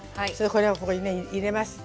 これをここにね入れます。